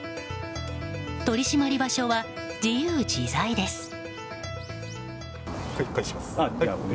取り締まり場所は自由自在です。